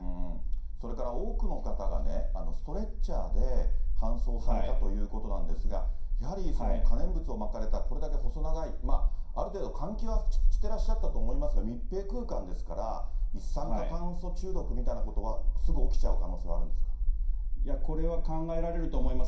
それから多くの方がストレッチャーで搬送されたということなんですが、やはり可燃物をまかれた、これだけ細長い、ある程度換気はしてらっしゃったと思いますが、密閉空間ですから、一酸化炭素中毒みたいなことは、すぐ起きちゃう可能性はあるんでこれは考えられると思います。